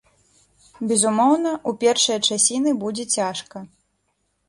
Безумоўна, у першыя часіны будзе цяжка.